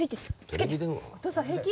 お父さん平気？